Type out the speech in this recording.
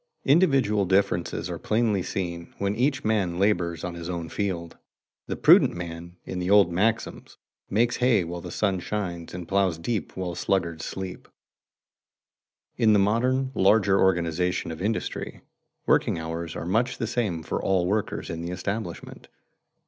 Individual differences are plainly seen when each man labors on his own field. The prudent man, in the old maxims, makes hay while the sun shines and ploughs deep while sluggards sleep. In the modern larger organization of industry, working hours are much the same for all workers in the establishment.